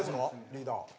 リーダー。